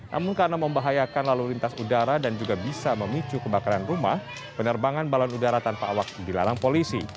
namun karena membahayakan lalu lintas udara dan juga bisa memicu kebakaran rumah penerbangan balon udara tanpa awak dilarang polisi